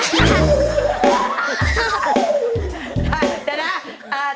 เดี๋ยวนะ